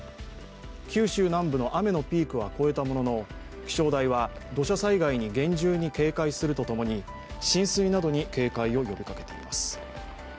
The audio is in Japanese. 九州南部の雨のピークは超えたものの気象台は土砂災害に厳重に警戒すると共に浸水などに警戒を呼びかけています。